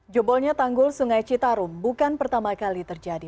jebolnya tanggul sungai citarum bukan pertama kali terjadi